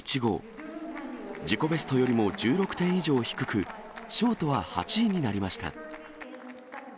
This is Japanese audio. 自己ベストよりも１６点以上低く、ショートは８位になりました。